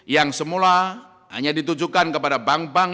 yang semula hanya ditujukan kepada bank bank